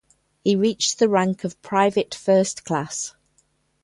He reached the rank of Private First Class.